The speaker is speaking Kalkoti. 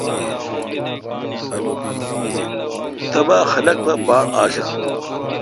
تبا خاق پہ باڑاشان۔